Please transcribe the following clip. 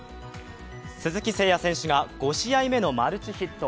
鈴木誠也選手が５試合目のマルチヒット。